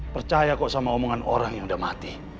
percaya kok sama omongan orang yang udah mati